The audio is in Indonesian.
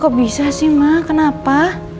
kok bisa sih mak kenapa